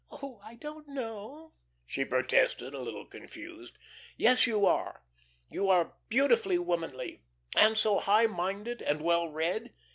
"Oh, I don't know," she protested, a little confused. "Yes, you are. You are beautifully womanly and so high minded and well read.